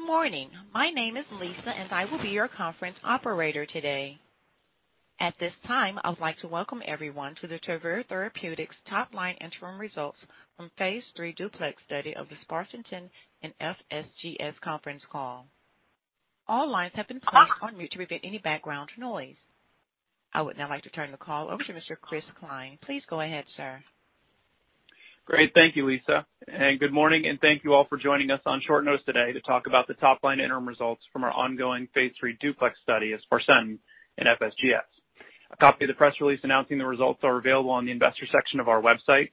Good morning. My name is Lisa, and I will be your conference operator today. At this time, I would like to welcome everyone to the Travere Therapeutics Top-Line Interim Results from phase III DUPLEX Study of sparsentan in FSGS Conference Call. All lines have been placed on mute to prevent any background noise. I would now like to turn the call over to Mr. Chris Cline. Please go ahead, sir. Great. Thank you, Lisa. Good morning, and thank you all for joining us on short notice today to talk about the top-line interim results from our ongoing phase III DUPLEX study of sparsentan in FSGS. A copy of the press release announcing the results are available on the investor section of our website.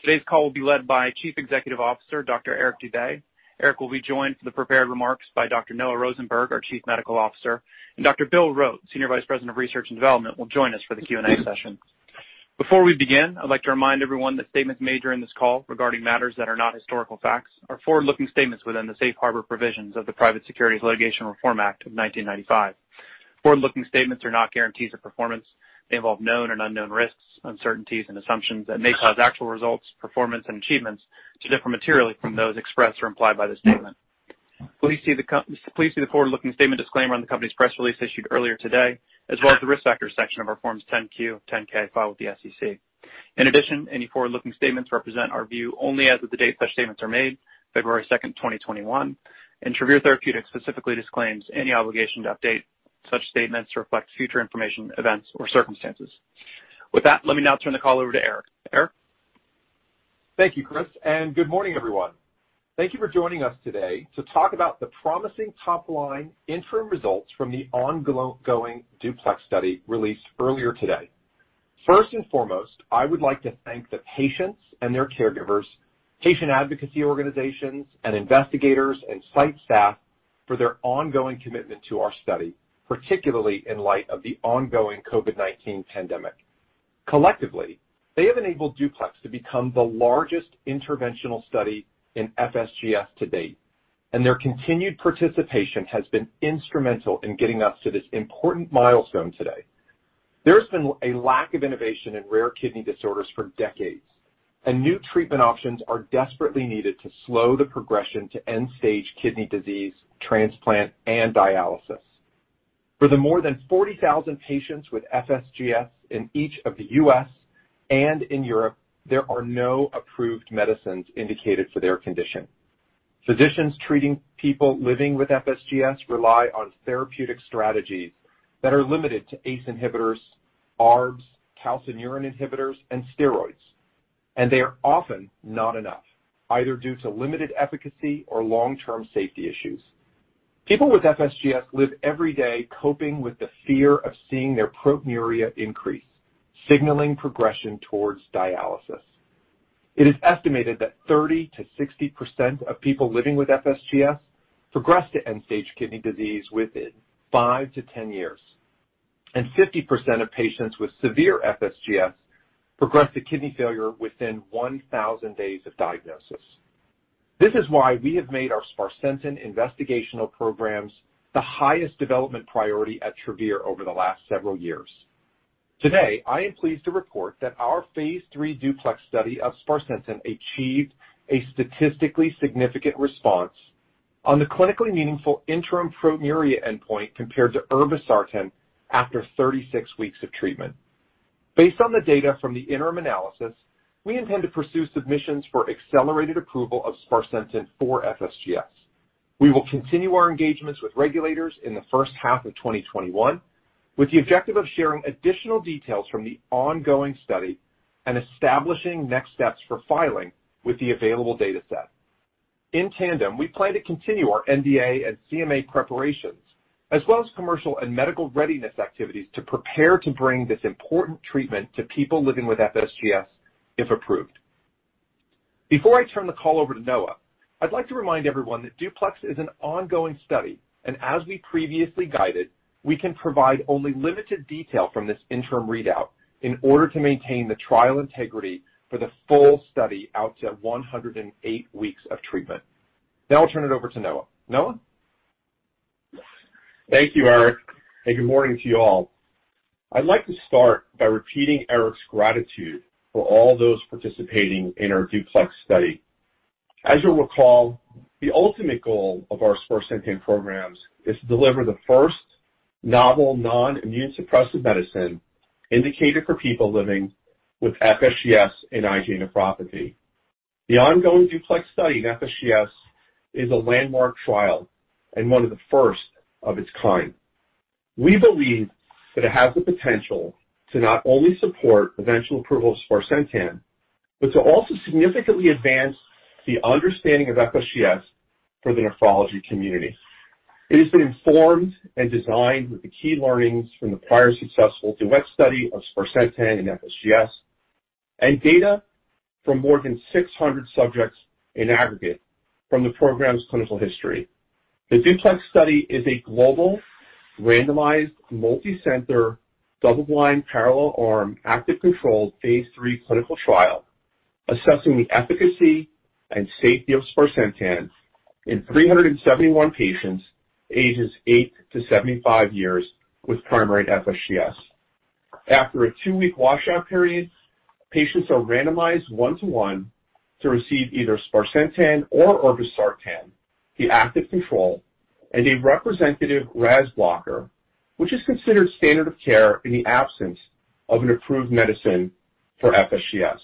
Today's call will be led by Chief Executive Officer, Dr. Eric Dube. Eric will be joined for the prepared remarks by Dr. Noah Rosenberg, our Chief Medical Officer. Dr. Bill Rote, Senior Vice President of Research and Development, will join us for the Q&A session. Before we begin, I'd like to remind everyone that statements made during this call regarding matters that are not historical facts are forward-looking statements within the safe harbor provisions of the Private Securities Litigation Reform Act of 1995. Forward-looking statements are not guarantees of performance. They involve known and unknown risks, uncertainties, and assumptions that may cause actual results, performance, and achievements to differ materially from those expressed or implied by the statement. Please see the forward-looking statement disclaimer on the company's press release issued earlier today, as well as the Risk Factors section of our Forms 10-Q, 10-K filed with the SEC. In addition, any forward-looking statements represent our view only as of the date such statements are made, February 2nd, 2021, and Travere Therapeutics specifically disclaims any obligation to update such statements to reflect future information, events, or circumstances. With that, let me now turn the call over to Eric. Eric? Thank you, Chris, and good morning, everyone. Thank you for joining us today to talk about the promising top-line interim results from the ongoing DUPLEX study released earlier today. First and foremost, I would like to thank the patients and their caregivers, patient advocacy organizations, and investigators and site staff for their ongoing commitment to our study, particularly in light of the ongoing COVID-19 pandemic. Collectively, they have enabled DUPLEX to become the largest interventional study in FSGS to date, and their continued participation has been instrumental in getting us to this important milestone today. There has been a lack of innovation in rare kidney disorders for decades, and new treatment options are desperately needed to slow the progression to end-stage kidney disease, transplant, and dialysis. For the more than 40,000 patients with FSGS in each of the U.S. and in Europe, there are no approved medicines indicated for their condition. Physicians treating people living with FSGS rely on therapeutic strategies that are limited to ACE inhibitors, ARBs, calcineurin inhibitors, and steroids, and they are often not enough, either due to limited efficacy or long-term safety issues. People with FSGS live every day coping with the fear of seeing their proteinuria increase, signaling progression towards dialysis. It is estimated that 30%-60% of people living with FSGS progress to end-stage kidney disease within 5-10 years, and 50% of patients with severe FSGS progress to kidney failure within 1,000 days of diagnosis. This is why we have made our sparsentan investigational programs the highest development priority at Travere over the last several years. Today, I am pleased to report that our phase III DUPLEX study of sparsentan achieved a statistically significant response on the clinically meaningful interim proteinuria endpoint compared to irbesartan after 36 weeks of treatment. Based on the data from the interim analysis, we intend to pursue submissions for accelerated approval of sparsentan for FSGS. We will continue our engagements with regulators in the first half of 2021, with the objective of sharing additional details from the ongoing study and establishing next steps for filing with the available data set. In tandem, we plan to continue our NDA and CMA preparations, as well as commercial and medical readiness activities to prepare to bring this important treatment to people living with FSGS if approved. Before I turn the call over to Noah, I'd like to remind everyone that DUPLEX is an ongoing study, and as we previously guided, we can provide only limited detail from this interim readout in order to maintain the trial integrity for the full study out to 108 weeks of treatment. Now I'll turn it over to Noah. Noah? Thank you, Eric. Good morning to you all. I'd like to start by repeating Eric's gratitude for all those participating in our DUPLEX study. As you'll recall, the ultimate goal of our sparsentan programs is to deliver the first novel non-immune suppressive medicine indicated for people living with FSGS and IgA nephropathy. The ongoing DUPLEX study in FSGS is a landmark trial and one of the first of its kind. We believe that it has the potential to not only support eventual approval of sparsentan, but to also significantly advance the understanding of FSGS for the nephrology community. It has been informed and designed with the key learnings from the prior successful DUET study of sparsentan in FSGS, and data from more than 600 subjects in aggregate from the program's clinical history. The DUPLEX study is a global, randomized, multi-center, double-blind, parallel arm, active control phase III clinical trial assessing the efficacy and safety of sparsentan in 371 patients ages 8 to 75 years with primary FSGS. After a two-week washout period, patients are randomized 1-to-1 to receive either sparsentan or irbesartan, the active control, and a representative RAS blocker, which is considered standard of care in the absence of an approved medicine for FSGS.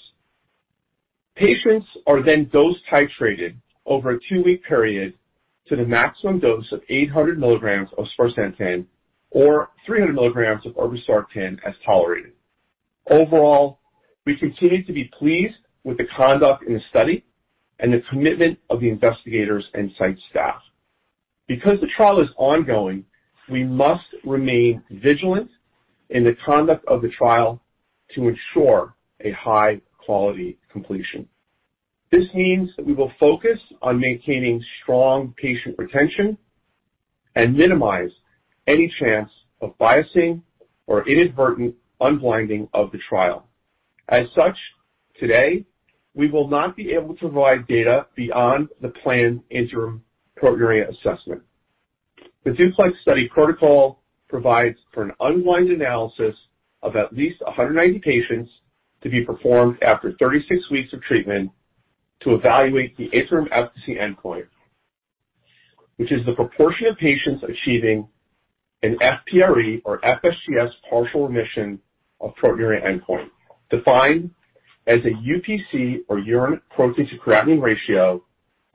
Patients are dose-titrated over a two-week period to the maximum dose of 800 mg of sparsentan or 300 mg of irbesartan as tolerated. Overall, we continue to be pleased with the conduct in the study and the commitment of the investigators and site staff. Because the trial is ongoing, we must remain vigilant in the conduct of the trial to ensure a high-quality completion. This means that we will focus on maintaining strong patient retention and minimize any chance of biasing or inadvertent unblinding of the trial. As such, today, we will not be able to provide data beyond the planned interim proteinuria assessment. The DUPLEX study protocol provides for an unblind analysis of at least 190 patients to be performed after 36 weeks of treatment to evaluate the interim efficacy endpoint, which is the proportion of patients achieving an FPRE or FSGS partial remission of proteinuria endpoint, defined as a UPC or urine protein to creatinine ratio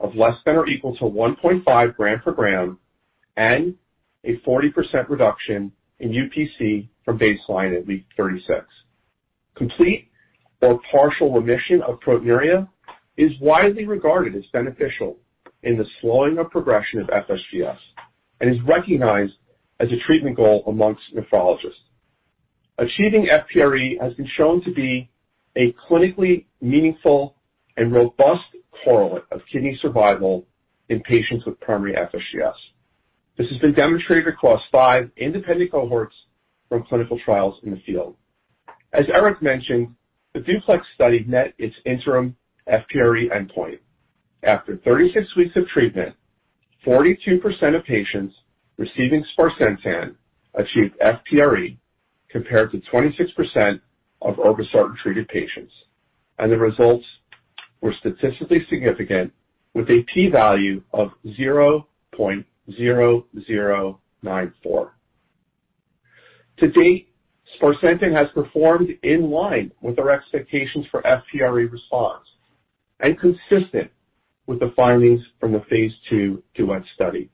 of less than or equal to 1.5 gram per gram and a 40% reduction in UPC from baseline at week 36. Complete or partial remission of proteinuria is widely regarded as beneficial in the slowing of progression of FSGS and is recognized as a treatment goal amongst nephrologists. Achieving FPRE has been shown to be a clinically meaningful and robust correlate of kidney survival in patients with primary FSGS. This has been demonstrated across five independent cohorts from clinical trials in the field. As Eric mentioned, the DUPLEX study met its interim FPRE endpoint. After 36 weeks of treatment, 42% of patients receiving sparsentan achieved FPRE compared to 26% of irbesartan-treated patients, and the results were statistically significant with a P value of 0.0094. To date, sparsentan has performed in line with our expectations for FPRE response and consistent with the findings from the phase II DUET study.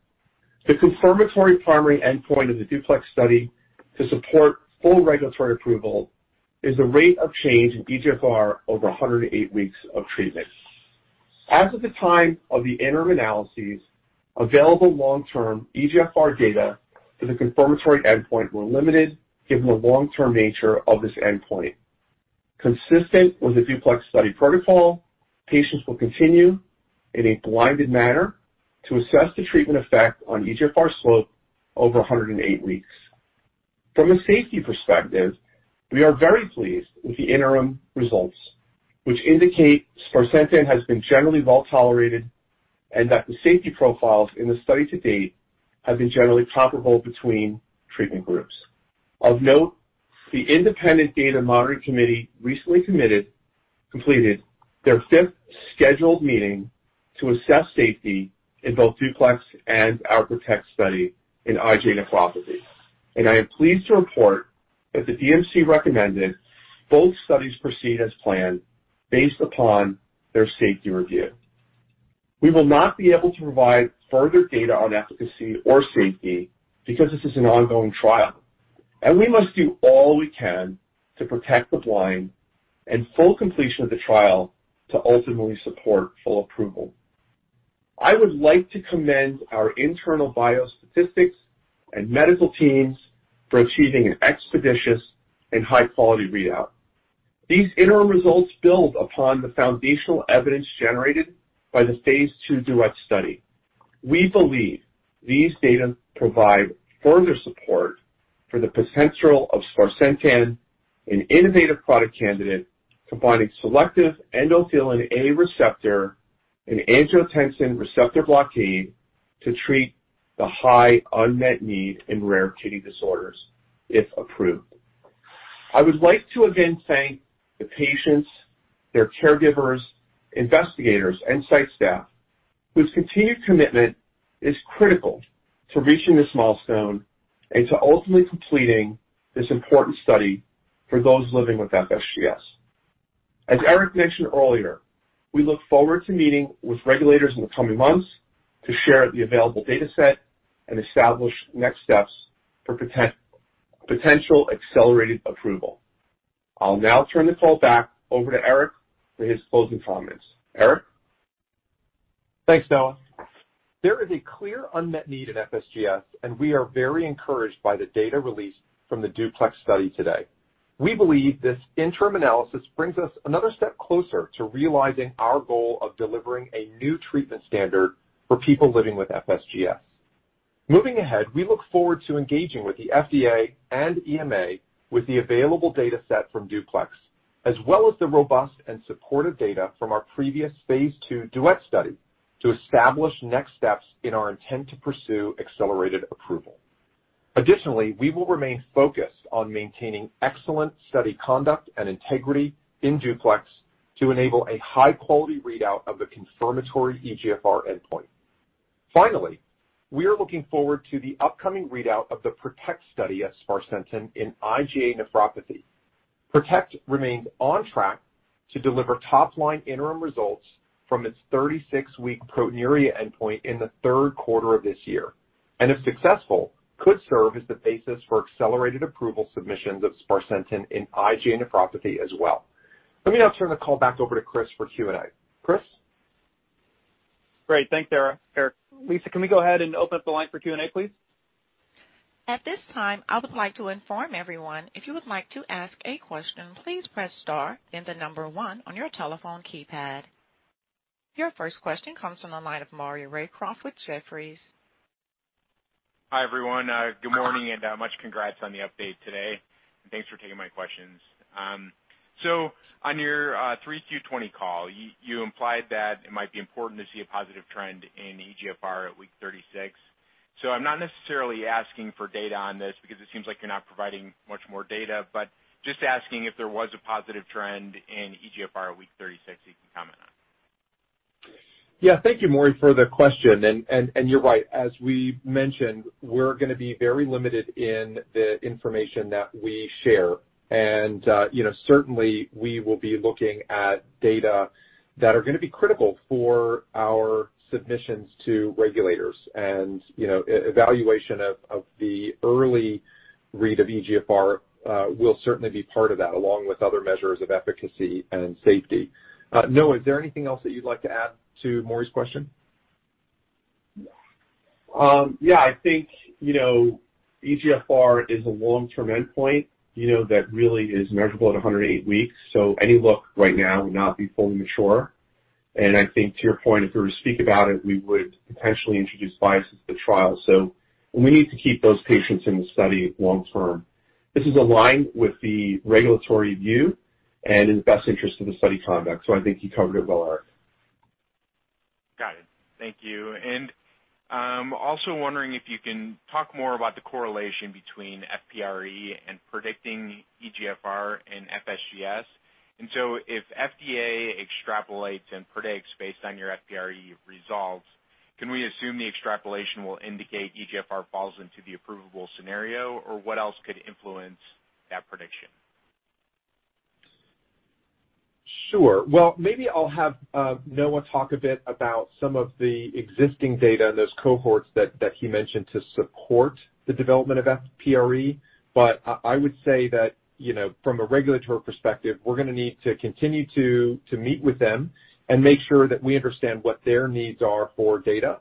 The confirmatory primary endpoint of the DUPLEX study to support full regulatory approval is the rate of change in eGFR over 108 weeks of treatment. As of the time of the interim analyses, available long-term eGFR data for the confirmatory endpoint were limited, given the long-term nature of this endpoint. Consistent with the DUPLEX study protocol, patients will continue in a blinded manner to assess the treatment effect on eGFR slope over 108 weeks. From a safety perspective, we are very pleased with the interim results, which indicate sparsentan has been generally well-tolerated and that the safety profiles in the study to date have been generally comparable between treatment groups. Of note, the independent data monitoring committee recently completed their fifth scheduled meeting to assess safety in both DUPLEX and PROTECT study in IgA nephropathy, and I am pleased to report that the DMC recommended both studies proceed as planned based upon their safety review. We will not be able to provide further data on efficacy or safety because this is an ongoing trial, and we must do all we can to protect the blind and full completion of the trial to ultimately support full approval. I would like to commend our internal biostatistics and medical teams for achieving an expeditious and high-quality readout. These interim results build upon the foundational evidence generated by the phase II DUET study. We believe these data provide further support for the potential of sparsentan, an innovative product candidate combining selective endothelin A receptor and angiotensin receptor blockade to treat the high unmet need in rare kidney disorders, if approved. I would like to again thank the patients, their caregivers, investigators, and site staff whose continued commitment is critical to reaching this milestone and to ultimately completing this important study for those living with FSGS. As Eric mentioned earlier, we look forward to meeting with regulators in the coming months to share the available data set and establish next steps for potential accelerated approval. I'll now turn the call back over to Eric for his closing comments. Eric? Thanks, Noah. There is a clear unmet need in FSGS, and we are very encouraged by the data released from the DUPLEX study today. We believe this interim analysis brings us another step closer to realizing our goal of delivering a new treatment standard for people living with FSGS. Moving ahead, we look forward to engaging with the FDA and EMA with the available data set from DUPLEX, as well as the robust and supportive data from our previous phase II DUET study. To establish next steps in our intent to pursue accelerated approval. Additionally, we will remain focused on maintaining excellent study conduct and integrity in DUPLEX to enable a high-quality readout of the confirmatory eGFR endpoint. Finally, we are looking forward to the upcoming readout of the PROTECT study of sparsentan in IgA nephropathy. PROTECT remains on track to deliver top-line interim results from its 36-week proteinuria endpoint in the third quarter of this year, and if successful, could serve as the basis for accelerated approval submissions of sparsentan in IgA nephropathy as well. Let me now turn the call back over to Chris for Q&A. Chris? Great. Thanks, Eric. Lisa, can we go ahead and open up the line for Q&A, please? At this time I would like to inform everyone, if you would like to ask a question please press star and then number one on your telephone keypad. Your first question comes from the line of Maury Raycroft with Jefferies. Hi, everyone. Good morning, and much congrats on the update today. Thanks for taking my questions. On your 3Q 2020 call, you implied that it might be important to see a positive trend in eGFR at week 36. I'm not necessarily asking for data on this because it seems like you're not providing much more data, but just asking if there was a positive trend in eGFR at week 36 you can comment on. Yeah. Thank you, Maury, for the question. You're right. As we mentioned, we're going to be very limited in the information that we share. Certainly, we will be looking at data that are going to be critical for our submissions to regulators. Evaluation of the early read of eGFR will certainly be part of that, along with other measures of efficacy and safety. Noah, is there anything else that you'd like to add to Maury's question? Yeah. I think eGFR is a long-term endpoint that really is measurable at 108 weeks, so any look right now would not be fully mature. I think to your point, if we were to speak about it, we would potentially introduce biases to the trial. We need to keep those patients in the study long-term. This is aligned with the regulatory view and in the best interest of the study conduct. I think you covered it well, Eric. Got it. Thank you. I'm also wondering if you can talk more about the correlation between FPRE and predicting eGFR in FSGS. If FDA extrapolates and predicts based on your FPRE results, can we assume the extrapolation will indicate eGFR falls into the approvable scenario, or what else could influence that prediction? Sure. Maybe I'll have Noah talk a bit about some of the existing data and those cohorts that he mentioned to support the development of FPRE. I would say that from a regulatory perspective, we're going to need to continue to meet with them and make sure that we understand what their needs are for data,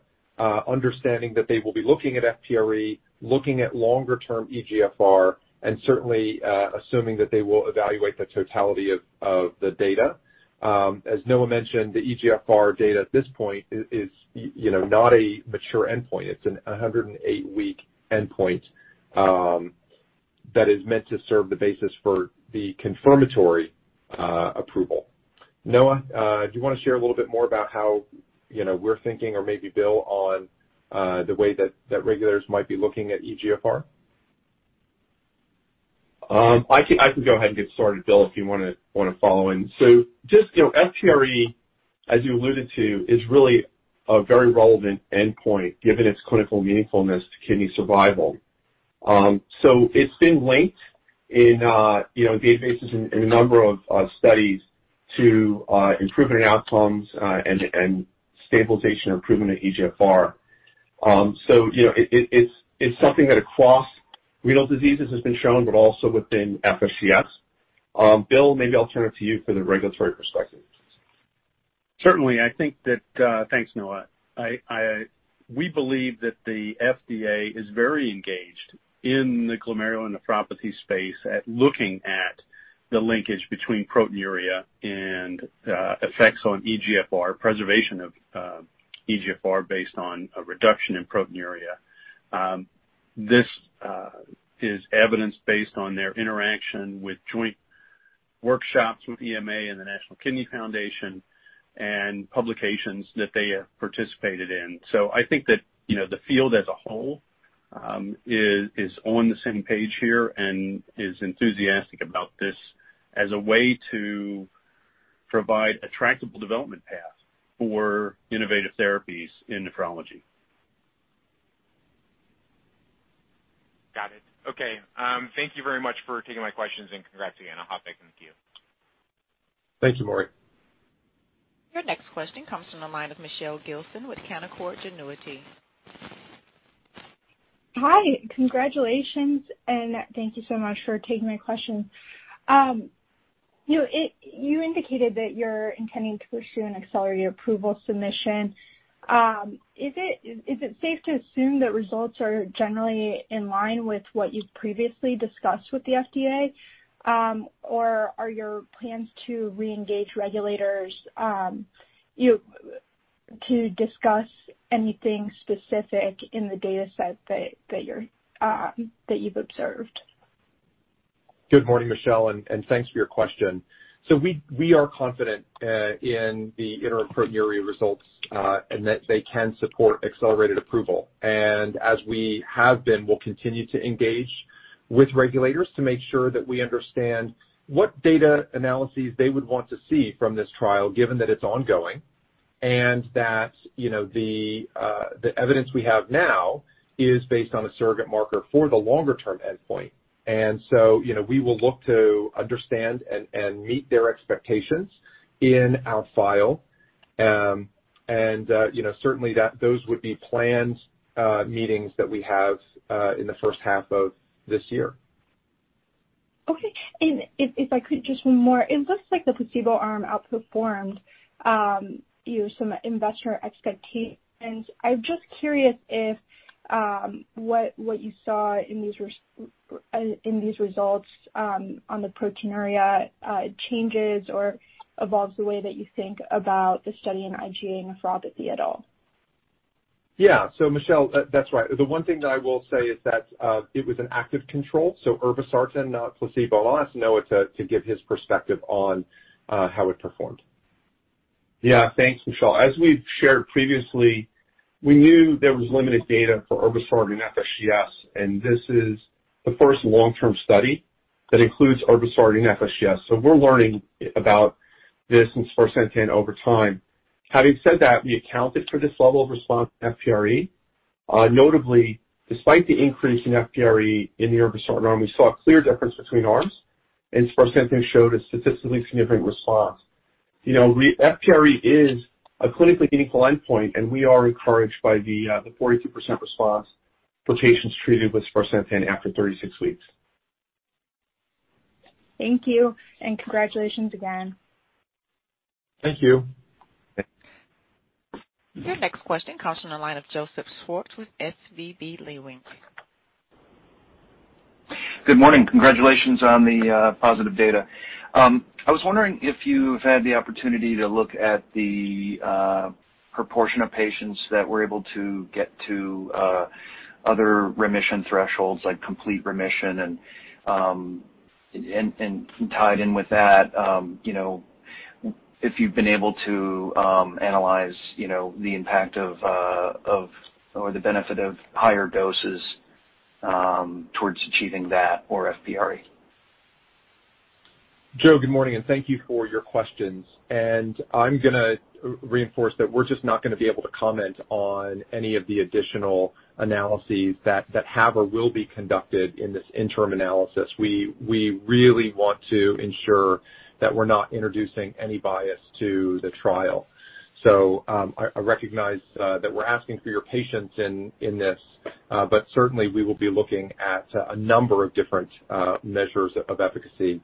understanding that they will be looking at FPRE, looking at longer-term eGFR, and certainly assuming that they will evaluate the totality of the data. As Noah mentioned, the eGFR data at this point is not a mature endpoint. It's a 108-week endpoint that is meant to serve the basis for the confirmatory approval. Noah, do you want to share a little bit more about how we're thinking, or maybe Bill, on the way that regulators might be looking at eGFR? I can go ahead and get started, Bill, if you want to follow in. Just, FPRE, as you alluded to, is really a very relevant endpoint given its clinical meaningfulness to kidney survival. It's been linked in databases in a number of studies to improvement in outcomes and stabilization or improvement in eGFR. It's something that across renal diseases has been shown, but also within FSGS. Bill, maybe I'll turn it to you for the regulatory perspective. Certainly. Thanks, Noah. We believe that the FDA is very engaged in the glomerulonephropathy space at looking at the linkage between proteinuria and effects on eGFR, preservation of eGFR based on a reduction in proteinuria. This is evidence based on their interaction with joint workshops with EMA and the National Kidney Foundation and publications that they have participated in. I think that the field as a whole is on the same page here and is enthusiastic about this as a way to provide a tractable development path for innovative therapies in nephrology. Got it. Okay. Thank you very much for taking my questions, and congrats again. I'll hop back into queue. Thank you, Maury. Your next question comes from the line of Michelle Gilson with Canaccord Genuity. Hi. Congratulations, and thank you so much for taking my question. You indicated that you're intending to pursue an accelerated approval submission. Is it safe to assume that results are generally in line with what you've previously discussed with the FDA? Are your plans to reengage regulators to discuss anything specific in the data set that you've observed? Good morning, Michelle, and thanks for your question. We are confident in the interim proteinuria results, and that they can support accelerated approval. As we have been, we'll continue to engage with regulators to make sure that we understand what data analyses they would want to see from this trial, given that it's ongoing and that the evidence we have now is based on a surrogate marker for the longer-term endpoint. We will look to understand and meet their expectations in our file. Certainly, those would be planned meetings that we have in the first half of this year. Okay. If I could, just one more. It looks like the placebo arm outperformed some investor expectations. I'm just curious if what you saw in these results on the proteinuria changes or evolves the way that you think about the study in IgA nephropathy at all. Yeah. Michelle, that's right. The one thing that I will say is that it was an active control, so irbesartan, not placebo. I'll ask Noah to give his perspective on how it performed. Thanks, Michelle. As we've shared previously, we knew there was limited data for irbesartan in FSGS, and this is the first long-term study that includes irbesartan in FSGS. We're learning about this and sparsentan over time. Having said that, we accounted for this level of response in FPRE. Notably, despite the increase in FPRE in the irbesartan arm, we saw a clear difference between arms, and sparsentan showed a statistically significant response. FPRE is a clinically meaningful endpoint, and we are encouraged by the 42% response for patients treated with sparsentan after 36 weeks. Thank you. Congratulations again. Thank you. Thanks. Your next question comes from the line of Joseph Schwartz with SVB Leerink. Good morning. Congratulations on the positive data. I was wondering if you've had the opportunity to look at the proportion of patients that were able to get to other remission thresholds, like complete remission, and tied in with that, if you've been able to analyze the impact of or the benefit of higher doses towards achieving that or FPRE. Joe, good morning. Thank you for your questions. I'm going to reinforce that we're just not going to be able to comment on any of the additional analyses that have or will be conducted in this interim analysis. We really want to ensure that we're not introducing any bias to the trial. I recognize that we're asking for your patience in this, but certainly, we will be looking at a number of different measures of efficacy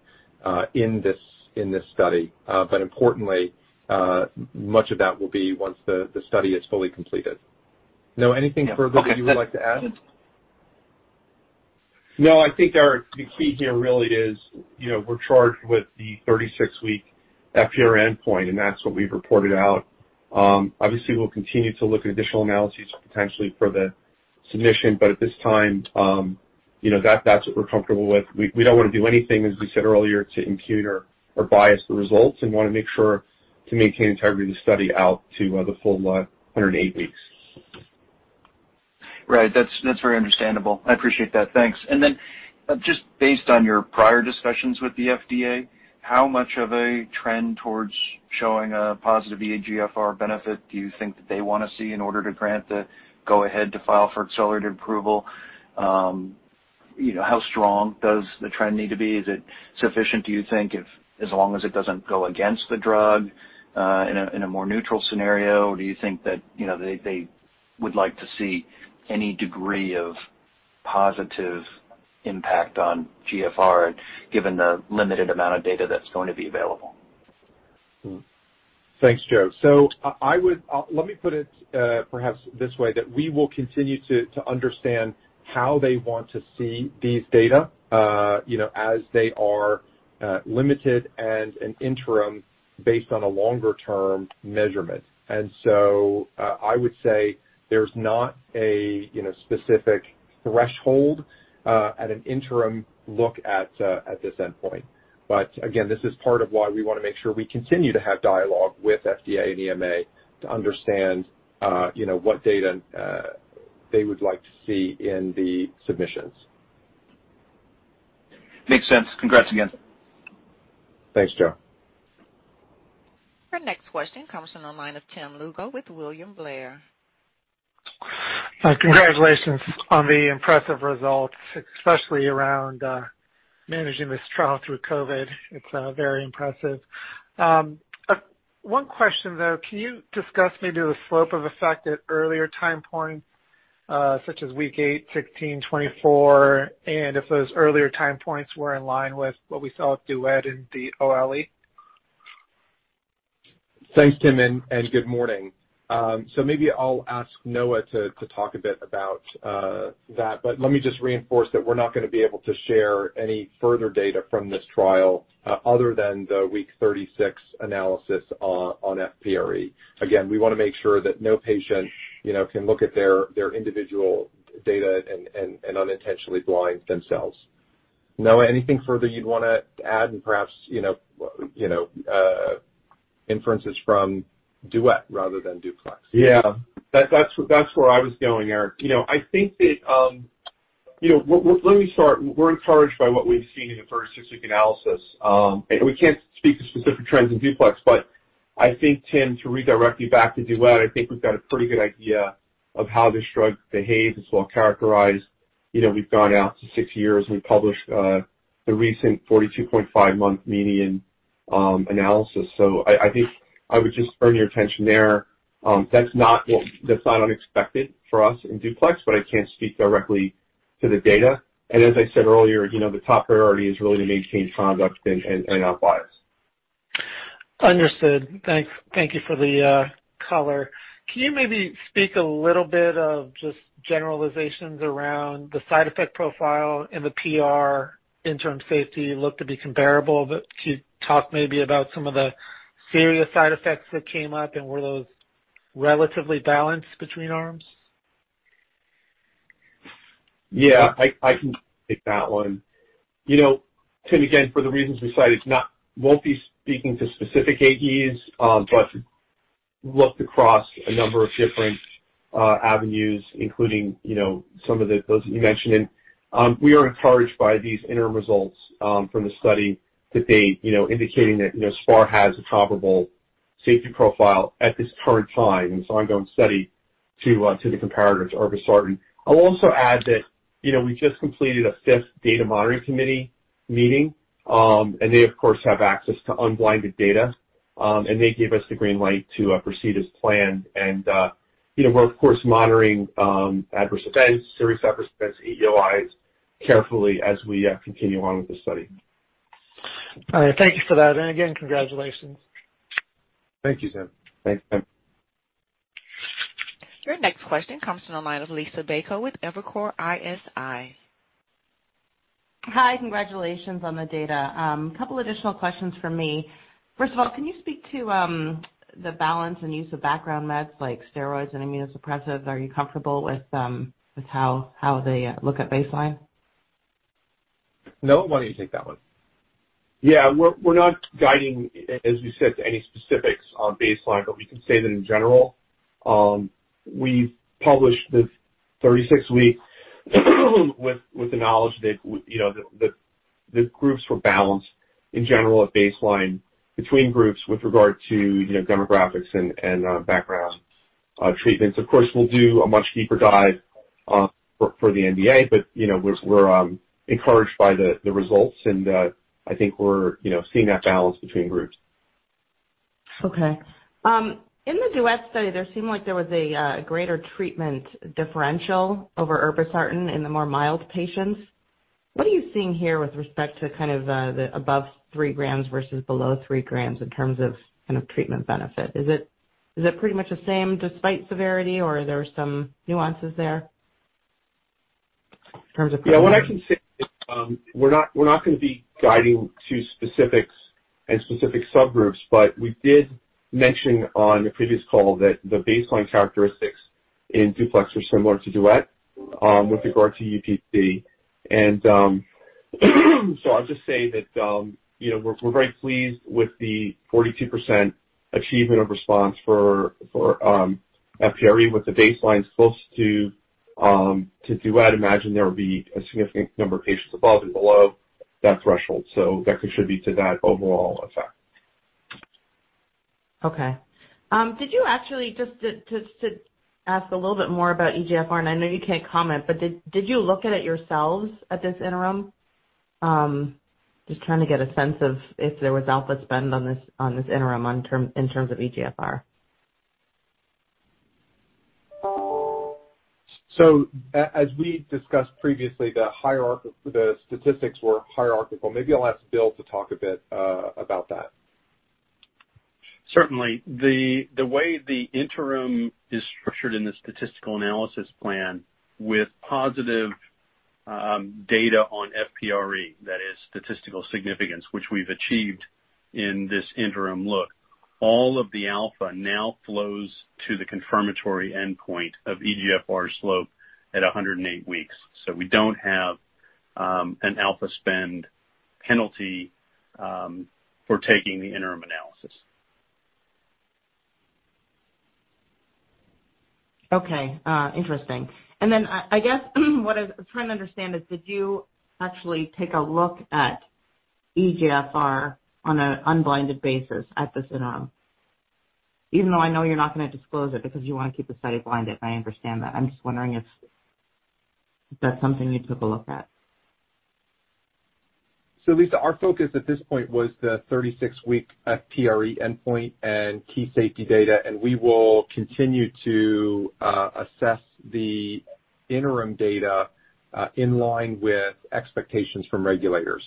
in this study. Importantly, much of that will be once the study is fully completed. Noah, anything further that you would like to add? I think the key here really is we're charged with the 36-week FPR endpoint, and that's what we've reported out. Obviously, we'll continue to look at additional analyses potentially for the submission. At this time, that's what we're comfortable with. We don't want to do anything, as we said earlier, to impute or bias the results and want to make sure to maintain integrity of the study out to the full 108 weeks. Right. That's very understandable. I appreciate that. Thanks. Then just based on your prior discussions with the FDA, how much of a trend towards showing a positive eGFR benefit do you think that they want to see in order to grant the go-ahead to file for accelerated approval? How strong does the trend need to be? Is it sufficient, do you think, if as long as it doesn't go against the drug in a more neutral scenario? Do you think that they would like to see any degree of positive impact on GFR, given the limited amount of data that's going to be available? Thanks, Joe. Let me put it perhaps this way, that we will continue to understand how they want to see these data as they are limited and an interim based on a longer-term measurement. I would say there's not a specific threshold at an interim look at this endpoint. Again, this is part of why we want to make sure we continue to have dialogue with FDA and EMA to understand what data they would like to see in the submissions. Makes sense. Congrats again. Thanks, Joe. Our next question comes from the line of Tim Lugo with William Blair. Congratulations on the impressive results, especially around managing this trial through COVID. It's very impressive. One question, though. Can you discuss maybe the slope of effect at earlier time points, such as week eight, 16, 24, and if those earlier time points were in line with what we saw with DUET in the OLE? Thanks, Tim. Good morning. Maybe I'll ask Noah to talk a bit about that, but let me just reinforce that we're not going to be able to share any further data from this trial other than the week 36 analysis on FPRE. Again, we want to make sure that no patient can look at their individual data and unintentionally blind themselves. Noah, anything further you'd want to add? And perhaps, inferences from DUET rather than DUPLEX. Yeah. That's where I was going, Eric. Let me start. We're encouraged by what we've seen in the first six-week analysis. We can't speak to specific trends in DUPLEX, but I think, Tim, to redirect you back to DUET, I think we've got a pretty good idea of how this drug behaves. It's well-characterized. We've gone out to six years, and we published the recent 42.5-month median analysis. I think I would just earn your attention there. That's not unexpected for us in DUPLEX, but I can't speak directly to the data. As I said earlier, the top priority is really to maintain conduct and outliers. Understood. Thank you for the color. Can you maybe speak a little bit of just generalizations around the side effect profile and the PR interim safety looked to be comparable, but could you talk maybe about some of the serious side effects that came up, and were those relatively balanced between arms? Yeah, I can take that one. Tim, again, for the reasons we cited, won't be speaking to specific AEs, but looked across a number of different avenues, including some of those that you mentioned. We are encouraged by these interim results from the study to date indicating that sparsentan has a comparable safety profile at this current time in this ongoing study to the comparators, irbesartan. I'll also add that we just completed a fifth data monitoring committee meeting. They of course, have access to unblinded data. They gave us the green light to proceed as planned. We're of course monitoring adverse events, serious adverse events, AESIs, carefully as we continue on with the study. All right. Thank you for that. Again, congratulations. Thank you, Tim. Thanks, Tim. Your next question comes from the line of Liisa Bayko with Evercore ISI. Hi. Congratulations on the data. Couple additional questions from me. First of all, can you speak to the balance and use of background meds like steroids and immunosuppressants? Are you comfortable with how they look at baseline? Noah, why don't you take that one? We're not guiding, as we said, to any specifics on baseline, but we can say that in general, we've published this 36-week with the knowledge that the groups were balanced in general at baseline between groups with regard to demographics and background treatments. Of course, we'll do a much deeper dive for the NDA, but we're encouraged by the results, and I think we're seeing that balance between groups. Okay. In the DUET study, there seemed like there was a greater treatment differential over irbesartan in the more mild patients. What are you seeing here with respect to kind of the above three grams versus below three grams in terms of kind of treatment benefit? Is it pretty much the same despite severity, or are there some nuances there in terms of? Yeah. What I can say is we're not going to be guiding to specifics and specific subgroups, but we did mention on a previous call that the baseline characteristics in DUPLEX were similar to DUET with regard to UPC. I'll just say that we're very pleased with the 42% achievement of response for FPRE with the baseline close to DUET. Imagine there would be a significant number of patients above and below that threshold, so that contributes to that overall effect. Okay. Did you actually just to ask a little bit more about eGFR, and I know you can't comment, but did you look at it yourselves at this interim? Just trying to get a sense of if there was alpha spend on this interim in terms of eGFR. As we discussed previously, the statistics were hierarchical. Maybe I'll ask Bill to talk a bit about that. Certainly. The way the interim is structured in the statistical analysis plan with positive data on FPRE, that is statistical significance, which we've achieved in this interim look, all of the alpha now flows to the confirmatory endpoint of eGFR slope at 108 weeks. We don't have an alpha spend penalty for taking the interim analysis. Okay. Interesting. I guess what I was trying to understand is did you actually take a look at eGFR on an unblinded basis at this interim? Even though I know you're not going to disclose it because you want to keep the study blinded, I understand that. I'm just wondering if that's something you took a look at. Liisa, our focus at this point was the 36 week FPRE endpoint and key safety data, and we will continue to assess the interim data in line with expectations from regulators.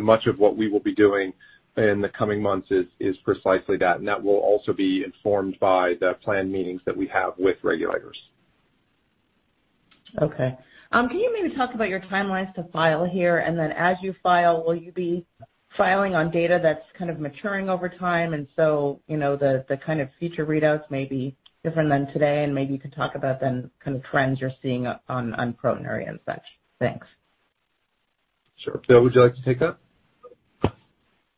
Much of what we will be doing in the coming months is precisely that, and that will also be informed by the planned meetings that we have with regulators. Okay. Can you maybe talk about your timelines to file here? As you file, will you be filing on data that's kind of maturing over time, and so the kind of future readouts may be different than today, and maybe you could talk about then trends you're seeing on proteinuria and such. Thanks. Sure. Bill, would you like to take that?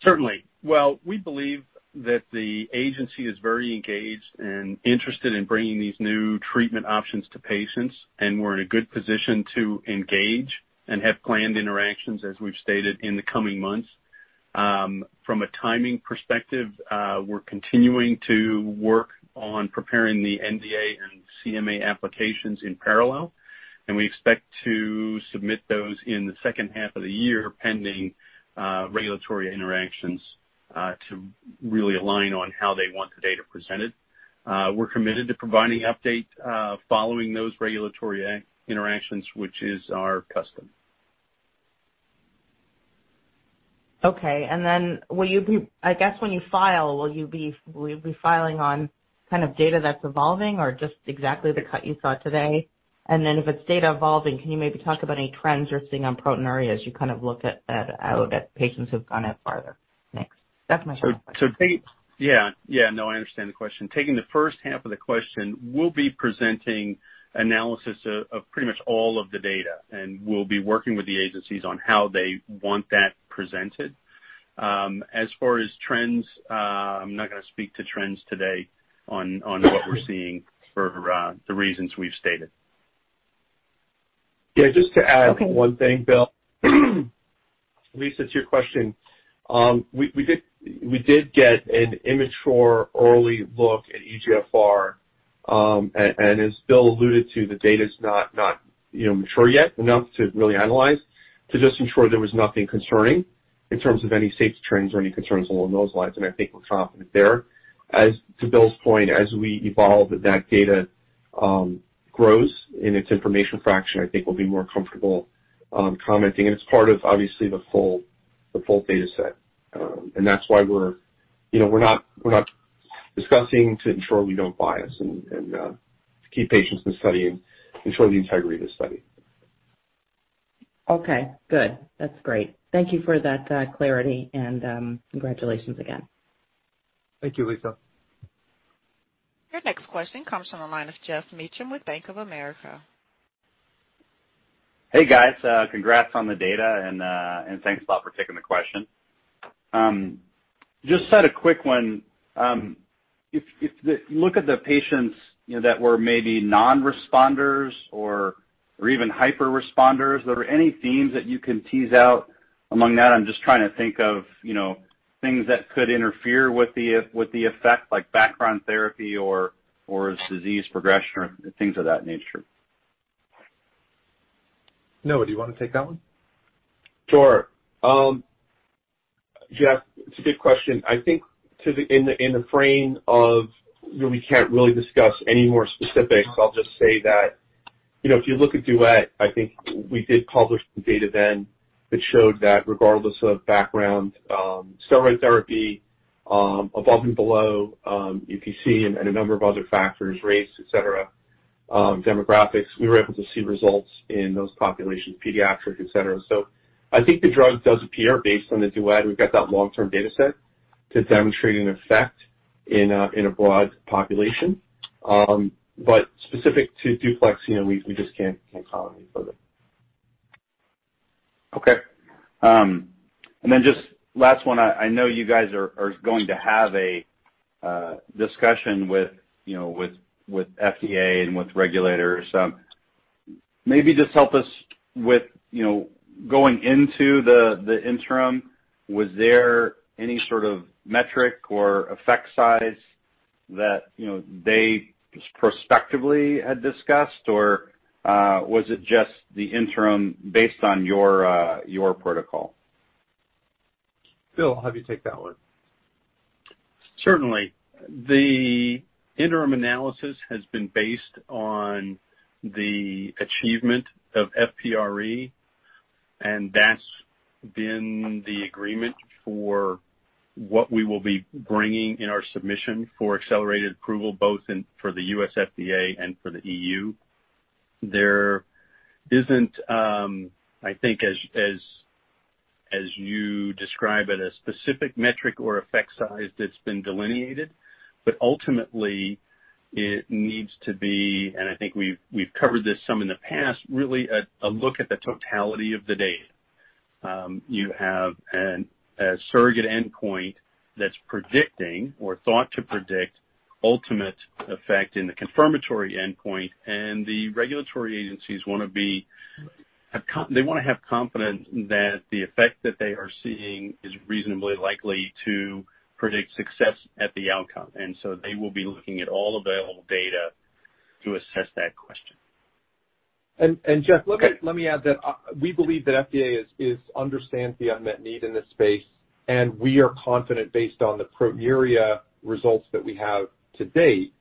Certainly. Well, we believe that the agency is very engaged and interested in bringing these new treatment options to patients, and we're in a good position to engage and have planned interactions, as we've stated, in the coming months. From a timing perspective, we're continuing to work on preparing the NDA and CMA applications in parallel, and we expect to submit those in the second half of the year, pending regulatory interactions to really align on how they want the data presented. We're committed to providing update following those regulatory interactions, which is our custom. Okay. I guess when you file, will you be filing on data that's evolving or just exactly the cut you saw today? If it's data evolving, can you maybe talk about any trends you're seeing on proteinuria as you look at out at patients who've gone out farther? Thanks. That's my final question. Yeah. No, I understand the question. Taking the first half of the question, we'll be presenting analysis of pretty much all of the data, and we'll be working with the agencies on how they want that presented. As far as trends, I'm not going to speak to trends today on what we're seeing for the reasons we've stated. Just to add one thing, Bill. Liisa, to your question. We did get an immature early look at eGFR, and as Bill alluded to, the data's not mature yet enough to really analyze to just ensure there was nothing concerning in terms of any safety trends or any concerns along those lines, and I think we're confident there. As to Bill's point, as we evolve that data grows in its information fraction, I think we'll be more comfortable commenting. It's part of obviously the full data set. That's why we're not discussing to ensure we don't bias and to keep patients in the study and ensure the integrity of the study. Okay, good. That's great. Thank you for that clarity and congratulations again. Thank you, Liisa. Your next question comes from the line of Geoff Meacham with Bank of America. Hey, guys. Congrats on the data and thanks a lot for taking the question. Just had a quick one. If you look at the patients that were maybe non-responders or even hyper-responders, are there any themes that you can tease out among that? I'm just trying to think of things that could interfere with the effect, like background therapy or disease progression or things of that nature. Noah, do you want to take that one? Sure. Geoff, it's a good question. I think in the frame of we can't really discuss any more specifics, I'll just say that if you look at DUET, I think we did publish some data then that showed that regardless of background steroid therapy, above and below UPC and a number of other factors, race, et cetera, demographics, we were able to see results in those populations, pediatric, et cetera. I think the drug does appear based on the DUET, we've got that long-term data set to demonstrate an effect in a broad population. Specific to DUPLEX, we just can't comment any further. Okay. Just last one, I know you guys are going to have a discussion with FDA and with regulators. Maybe just help us with going into the interim, was there any sort of metric or effect size that they prospectively had discussed, or was it just the interim based on your protocol? Bill, I'll have you take that one. Certainly. The interim analysis has been based on the achievement of FPRE, and that's been the agreement for what we will be bringing in our submission for accelerated approval, both for the U.S. FDA and for the EU. There isn't, I think, as you describe it, a specific metric or effect size that's been delineated. Ultimately, it needs to be, and I think we've covered this some in the past, really a look at the totality of the data. You have a surrogate endpoint that's predicting or thought to predict ultimate effect in the confirmatory endpoint, and the regulatory agencies want to have confidence that the effect that they are seeing is reasonably likely to predict success at the outcome. They will be looking at all available data to assess that question. Geoff, let me add that we believe that FDA understands the unmet need in this space, and we are confident based on the proteinuria results that we have to date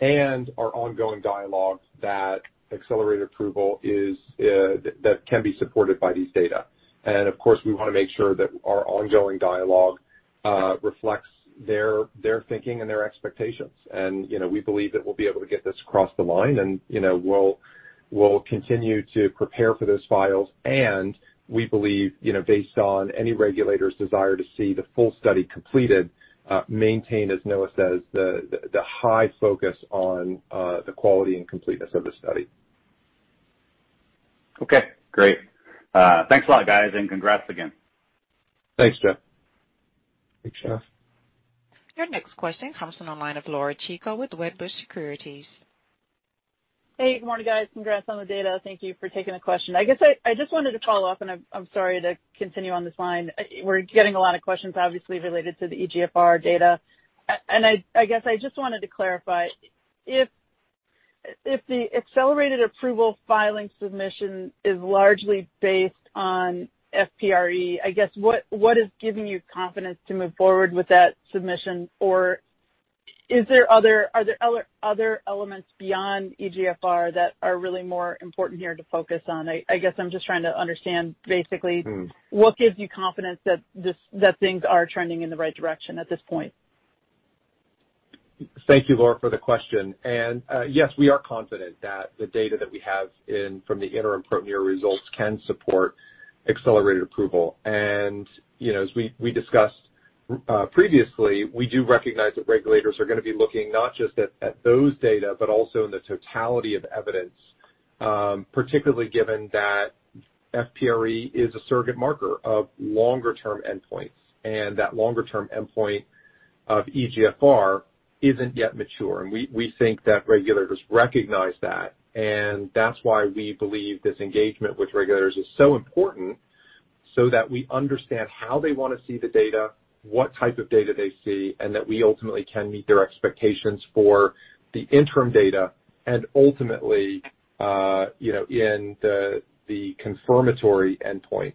and our ongoing dialogue that accelerated approval can be supported by these data. Of course, we want to make sure that our ongoing dialogue. Reflects their thinking and their expectations. We believe that we'll be able to get this across the line and we'll continue to prepare for those files and we believe, based on any regulator's desire to see the full study completed, maintain, as Noah says, the high focus on the quality and completeness of the study. Okay. Great. Thanks a lot guys, and congrats again. Thanks, Geoff. Thanks, Geoff. Your next question comes on the line of Laura Chico with Wedbush Securities. Hey, good morning, guys. Congrats on the data. Thank you for taking the question. I guess I just wanted to follow up. I'm sorry to continue on this line. We're getting a lot of questions, obviously, related to the eGFR data. I guess I just wanted to clarify. If the accelerated approval filing submission is largely based on FPRE, I guess what is giving you confidence to move forward with that submission? Are there other elements beyond eGFR that are really more important here to focus on? I guess I'm just trying to understand basically what gives you confidence that things are trending in the right direction at this point. Thank you, Laura, for the question. Yes, we are confident that the data that we have from the interim proteinuria results can support accelerated approval. As we discussed previously, we do recognize that regulators are going to be looking not just at those data, but also in the totality of evidence, particularly given that FPRE is a surrogate marker of longer-term endpoints, and that longer-term endpoint of eGFR isn't yet mature. We think that regulators recognize that, and that's why we believe this engagement with regulators is so important, so that we understand how they want to see the data, what type of data they see, and that we ultimately can meet their expectations for the interim data and ultimately in the confirmatory endpoint.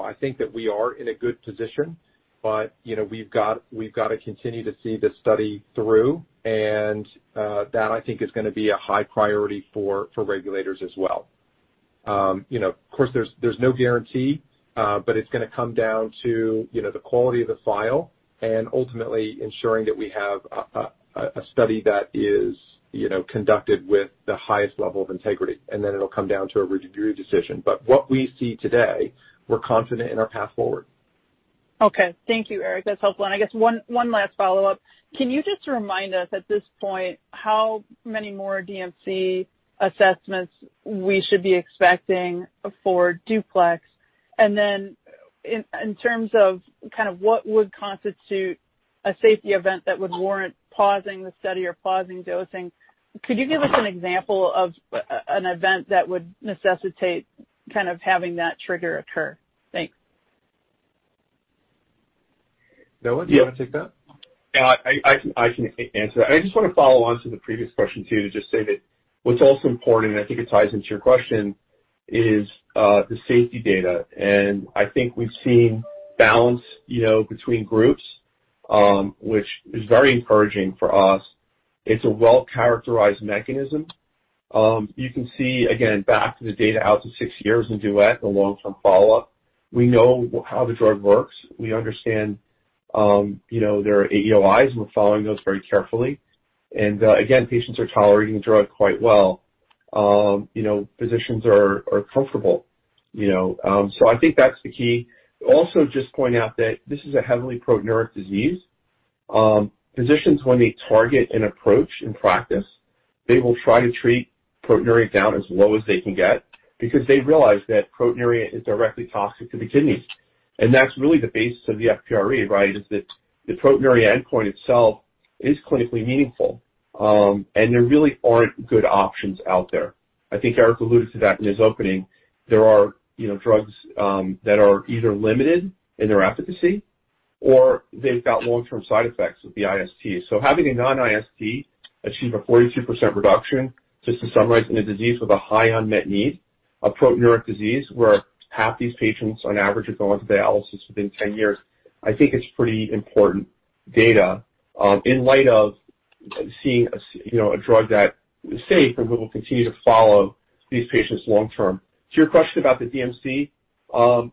I think that we are in a good position. We've got to continue to see this study through, and that I think is going to be a high priority for regulators as well. Of course, there's no guarantee, but it's going to come down to the quality of the file and ultimately ensuring that we have a study that is conducted with the highest level of integrity, and then it'll come down to a review decision. What we see today, we're confident in our path forward. Okay. Thank you, Eric. That's helpful. I guess one last follow-up. Can you just remind us at this point how many more DMC assessments we should be expecting for DUPLEX? In terms of what would constitute a safety event that would warrant pausing the study or pausing dosing, could you give us an example of an event that would necessitate having that trigger occur? Thanks. Noah, do you want to take that? I can answer that. I just want to follow on to the previous question, too, to just say that what's also important, I think it ties into your question, is the safety data. I think we've seen balance between groups, which is very encouraging for us. It's a well-characterized mechanism. You can see, again, back to the data out to six years in DUET, the long-term follow-up. We know how the drug works. We understand their AESIs, and we're following those very carefully. Patients are tolerating the drug quite well. Physicians are comfortable. I think that's the key. Just point out that this is a heavily proteinuria disease. Physicians, when they target an approach in practice, they will try to treat proteinuria down as low as they can get because they realize that proteinuria is directly toxic to the kidneys. That's really the basis of the FPRE, right? Is that the proteinuria endpoint itself is clinically meaningful. There really aren't good options out there. I think Eric alluded to that in his opening. There are drugs that are either limited in their efficacy or they've got long-term side effects with the IST. Having a non-IST achieve a 42% reduction, just to summarize, in a disease with a high unmet need, a proteinuria disease where half these patients on average are going to dialysis within 10 years, I think it's pretty important data in light of seeing a drug that is safe and we will continue to follow these patients long term. To your question about the DMC,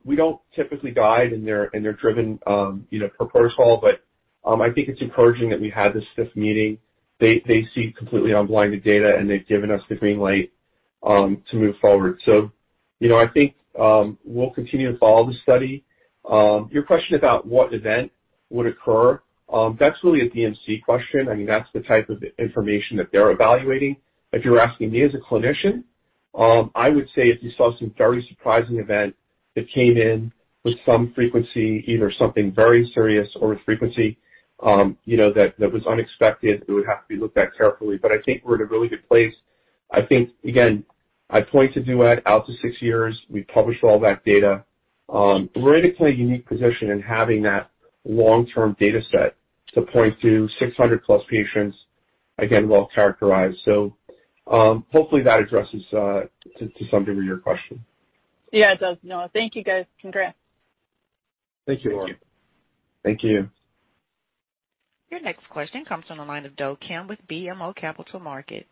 we don't typically guide and they're driven per protocol, but I think it's encouraging that we had this fifth meeting. They see completely unblinded data, and they've given us the green light to move forward. I think we'll continue to follow the study. Your question about what event would occur, that's really a DMC question. That's the type of information that they're evaluating. If you're asking me as a clinician, I would say if you saw some very surprising event that came in with some frequency, either something very serious or a frequency that was unexpected, it would have to be looked at carefully. I think we're in a really good place. I think, again, I point to DUET out to six years. We published all that data. We're in a unique position in having that long-term data set to point to 600+ patients, again, well characterized. Hopefully that addresses to some degree your question. Yeah, it does, Noah. Thank you, guys. Congrats. Thank you, Laura. Thank you. Your next question comes from the line of Do Kim with BMO Capital Markets.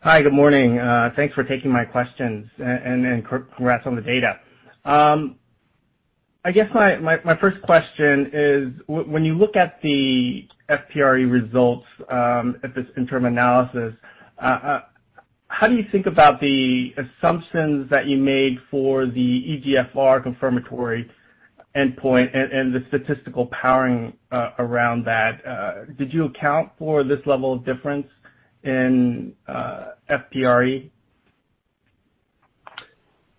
Hi. Good morning. Thanks for taking my questions. Congrats on the data. I guess my first question is, when you look at the FPRE results at this interim analysis, how do you think about the assumptions that you made for the eGFR confirmatory endpoint and the statistical powering around that? Did you account for this level of difference in FPRE?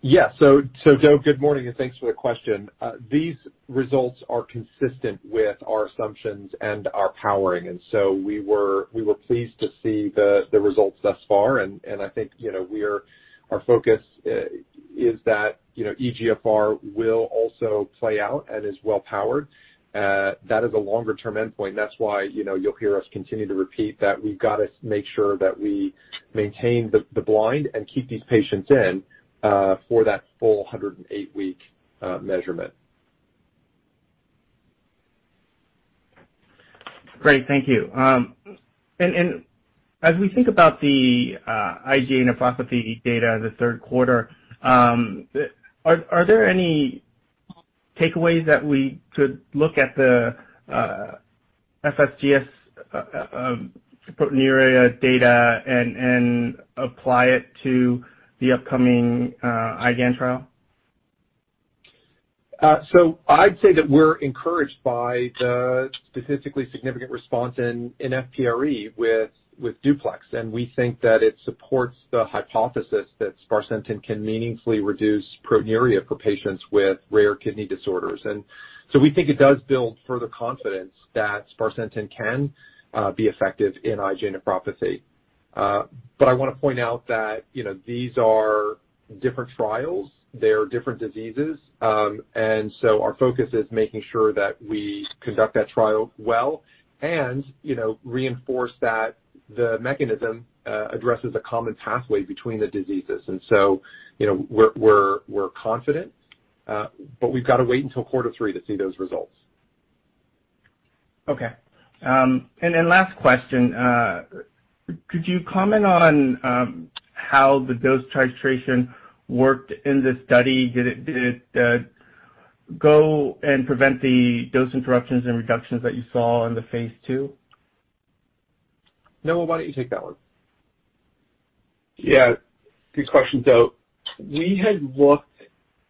Yes. Do, good morning, and thanks for the question. These results are consistent with our assumptions and our powering. We were pleased to see the results thus far, and I think our focus is that eGFR will also play out and is well powered. That is a longer-term endpoint. That's why you'll hear us continue to repeat that we've got to make sure that we maintain the blind and keep these patients in for that full 108-week measurement. Great. Thank you. As we think about the IgA nephropathy data the third quarter, are there any takeaways that we could look at the FSGS proteinuria data and apply it to the upcoming IgAN trial? I'd say that we're encouraged by the statistically significant response in FPRE with DUPLEX, and we think that it supports the hypothesis that sparsentan can meaningfully reduce proteinuria for patients with rare kidney disorders. We think it does build further confidence that sparsentan can be effective in IgA nephropathy. I want to point out that these are different trials. They are different diseases. Our focus is making sure that we conduct that trial well and reinforce that the mechanism addresses a common pathway between the diseases. We're confident, but we've got to wait until quarter three to see those results. Okay. Last question. Could you comment on how the dose titration worked in this study? Did it go and prevent the dose interruptions and reductions that you saw in the phase II? Noah, why don't you take that one? Yeah. Good question, Do. We had looked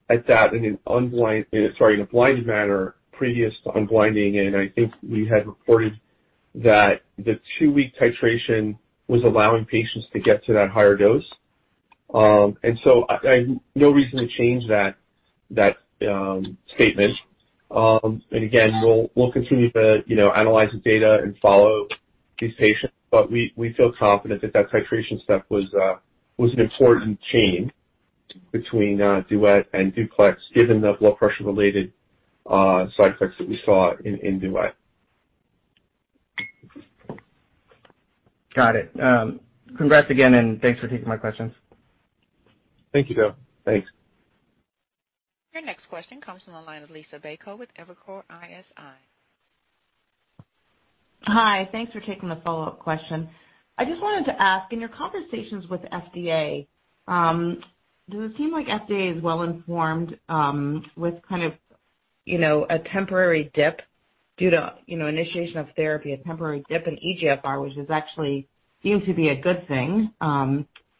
at that in a blind manner previous to unblinding, and I think we had reported that the two-week titration was allowing patients to get to that higher dose. No reason to change that statement. Again, we'll continue to analyze the data and follow these patients, but we feel confident that titration step was an important change between DUET and DUPLEX given the blood pressure-related side effects that we saw in DUET. Got it. Congrats again, thanks for taking my questions. Thank you, Do. Thanks. Your next question comes from the line of Liisa Bayko with Evercore ISI. Hi. Thanks for taking the follow-up question. I just wanted to ask, in your conversations with FDA, does it seem like FDA is well-informed with kind of a temporary dip due to initiation of therapy, a temporary dip in eGFR, which is actually seemed to be a good thing,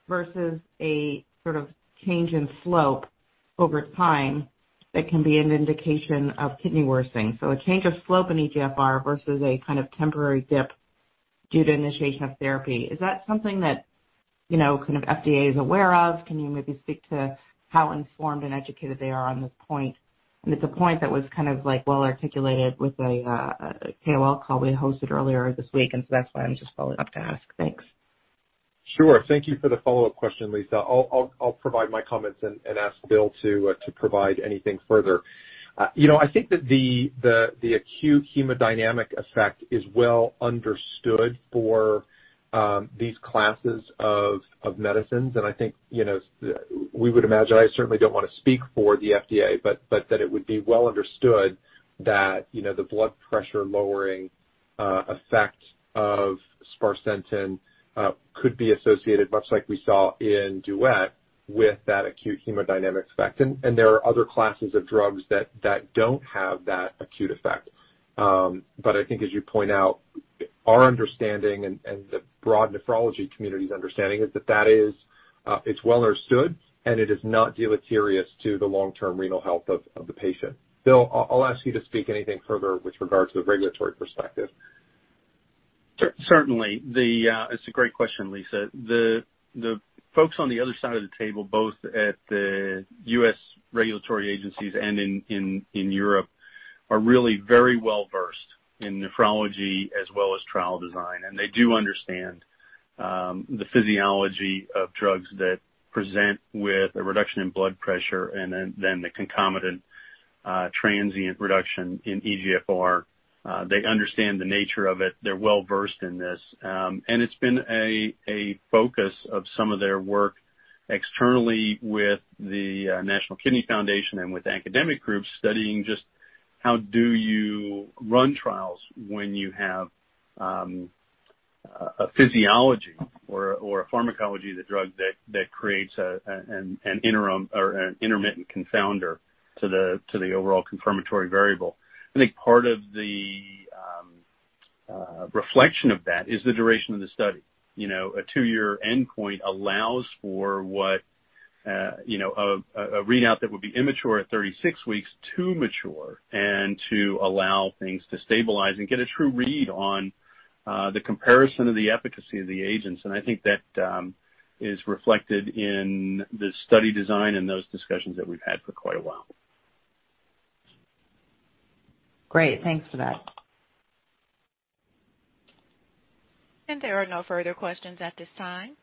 versus a sort of change in slope over time that can be an indication of kidney worsening. A change of slope in eGFR versus a kind of temporary dip due to initiation of therapy. Is that something that kind of FDA is aware of? Can you maybe speak to how informed and educated they are on this point? It's a point that was kind of well-articulated with a KOL call we hosted earlier this week, and so that's why I'm just following up to ask. Thanks. Sure. Thank you for the follow-up question, Liisa. I'll provide my comments and ask Bill to provide anything further. I think that the acute hemodynamic effect is well understood for these classes of medicines, and I think we would imagine, I certainly don't want to speak for the FDA, but that it would be well understood that the blood pressure-lowering effect of sparsentan could be associated, much like we saw in DUET, with that acute hemodynamic effect. There are other classes of drugs that don't have that acute effect. I think as you point out, our understanding and the broad nephrology community's understanding is that it's well understood, and it is not deleterious to the long-term renal health of the patient. Bill, I'll ask you to speak anything further with regard to the regulatory perspective. Certainly. It's a great question, Liisa. The folks on the other side of the table, both at the U.S. regulatory agencies and in Europe, are really very well-versed in nephrology as well as trial design, and they do understand the physiology of drugs that present with a reduction in blood pressure and then the concomitant transient reduction in eGFR. They understand the nature of it. They're well-versed in this. It's been a focus of some of their work externally with the National Kidney Foundation and with academic groups studying just how do you run trials when you have a physiology or a pharmacology of the drug that creates an intermittent confounder to the overall confirmatory variable. I think part of the reflection of that is the duration of the study. A two-year endpoint allows for what a readout that would be immature at 36 weeks to mature and to allow things to stabilize and get a true read on the comparison of the efficacy of the agents. I think that is reflected in the study design and those discussions that we've had for quite a while. Great. Thanks for that. There are no further questions at this time.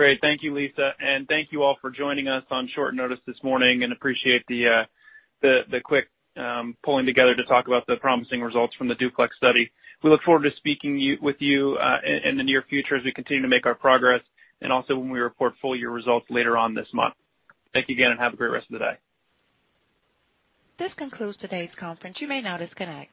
Great. Thank you, Lisa, and thank you all for joining us on short notice this morning and appreciate the quick pulling together to talk about the promising results from the DUPLEX study. We look forward to speaking with you in the near future as we continue to make our progress and also when we report full-year results later on this month. Thank you again, and have a great rest of the day. This concludes today's conference. You may now disconnect.